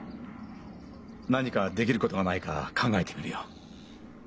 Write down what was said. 何かできることがないか考えてみるよ。